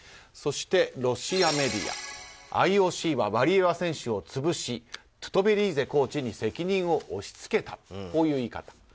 そしてロシアメディアＩＯＣはワリエワ選手を潰しトゥトベリーゼコーチに責任を押し付けたという言い方。